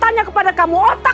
kayak apa gitu